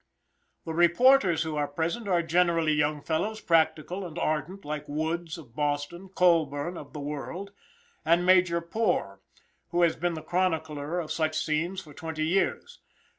The reporters who are present are generally young fellows, practical and ardent, like Woods, of Boston; Colburn, of THE WORLD; and Major Poore, who has been the chronicler of such scenes for twenty years.